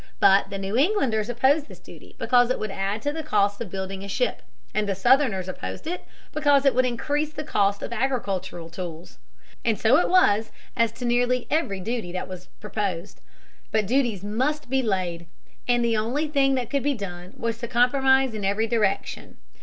But the New Englanders opposed this duty because it would add to the cost of building a ship, and the Southerners opposed it because it would increase the cost of agricultural tools. And so it was as to nearly every duty that was proposed. But duties must be laid, and the only thing that could be done was to compromise in every direction.